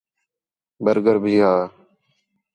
برگر بھی ہا